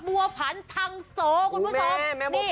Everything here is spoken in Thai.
มัวผันทางสองคุณผู้สอบ